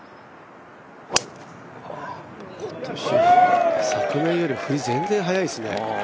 今年、昨年より振りが全然速いですね。